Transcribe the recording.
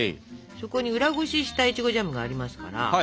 そこに裏ごししたいちごジャムがありますから。